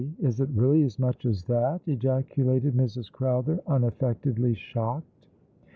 Is it really as much as that ?" ejaculated Mrs. Crowther, unaffectedly shocked.